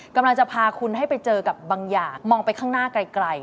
กำลังจะพาคุณให้ไปเจอกับบางอย่างมองไปข้างหน้าไกล